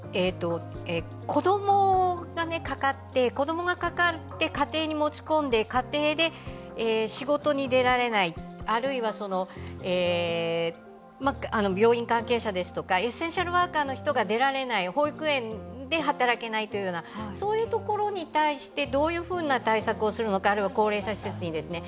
私は子供がかかって家庭に持ち込んで家庭で仕事に出られない、あるいは病院関係者とかエッセンシャルワーカーの人が出られない、保育園で働けない、そういうところに対してどういうふうな対策をするのか、あるいは高齢者施設に。